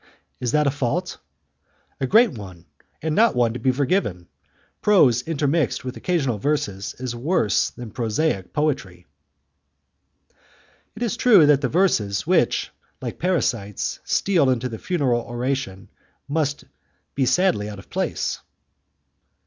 "Is that a fault?" "A great one and not to be forgiven. Prose intermixed with occasional verses is worse than prosaic poetry." "Is it true that the verses which, like parasites, steal into a funeral oration, must be sadly out of place?"